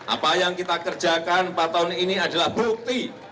apa yang kita kerjakan empat tahun ini adalah bukti